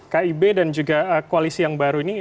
kib dan juga koalisi yang baru ini